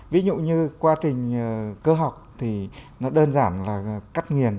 ví dụ như quá trình cơ học thì nó đơn giản là cắt nghiền